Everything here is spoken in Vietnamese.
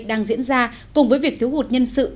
đang diễn ra cùng với việc thiếu hụt nhân sự